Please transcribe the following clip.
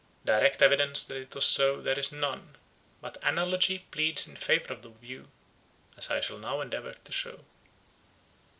Direct evidence that it was so there is none, but analogy pleads in favour of the view, as I shall now endeavour to show.